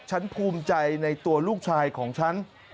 ภูมิใจในตัวลูกชายของฉัน